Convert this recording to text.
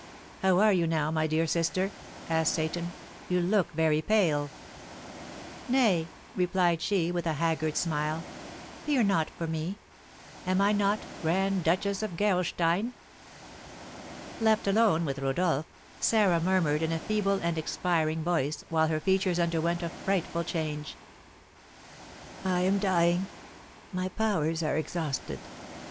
"How are you now, my dear sister?" asked Seyton. "You look very pale." "Nay," replied she, with a haggard smile, "fear not for me; am I not Grand Duchess of Gerolstein?" Left alone with Rodolph, Sarah murmured in a feeble and expiring voice, while her features underwent a frightful change, "I am dying; my powers are exhausted!